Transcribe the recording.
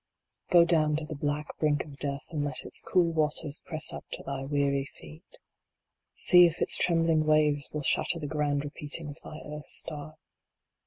Go down to the black brink of Death and let its cool waters press up to thy weary feet See if its trembling waves will shatter the grand repeat ing of thy earth star.